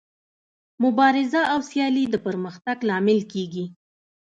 مبارزه او سیالي د پرمختګ لامل کیږي.